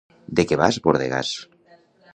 —De què vas, bordegàs!